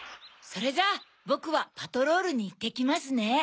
それじゃあぼくはパトロールにいってきますね。